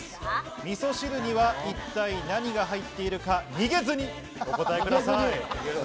味噌汁には一体何が入っているか、逃げずにお答えください。